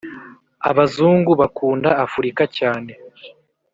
abazungu bakunda afurika cyane